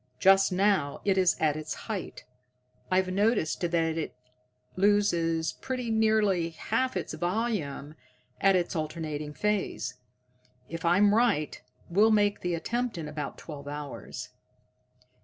Just now it is at its height. I've noticed that it loses pretty nearly half its volume at its alternating phase. If I'm right, we'll make the attempt in about twelve hours."